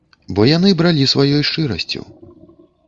Бо яны бралі сваёй шчырасцю.